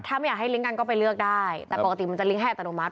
ถ้าไม่อยากให้ลิงก์กันก็ไปเลือกได้แต่ปกติมันจะลิ้งให้อัตโนมัติ